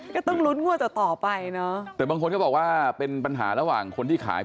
ก็ต้องลุ้นงวดต่อต่อไปเนอะแต่บางคนก็บอกว่าเป็นปัญหาระหว่างคนที่ขาย